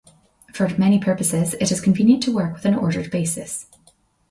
For many purposes it is convenient to work with an ordered basis.